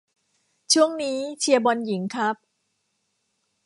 ช่วงนี้เชียร์บอลหญิงครับ